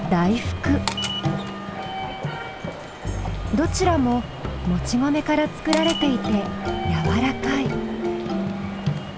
どちらももち米から作られていてやわらかい。